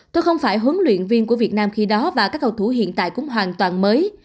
tôi không phải huấn luyện viên của việt nam khi đó và các cầu thủ hiện tại cũng hoàn toàn mới